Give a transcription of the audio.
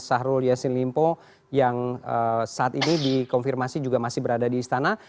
syahrul yassin limpo yang saat ini dikonfirmasi juga masih berada di istana